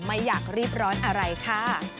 ไม่อยากรีบร้อนอะไรค่ะ